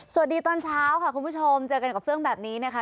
ตอนเช้าค่ะคุณผู้ชมเจอกันกับเฟื่องแบบนี้นะคะ